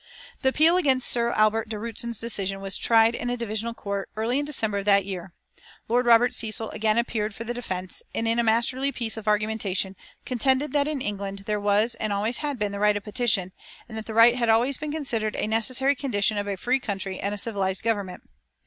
The appeal against Sir Albert de Rutzen's decision was tried in a Divisional Court early in December of that year. Lord Robert Cecil again appeared for the defence, and in a masterly piece of argumentation, contended that in England there was and always had been the right of petition, and that the right had always been considered a necessary condition of a free country and a civilised Government.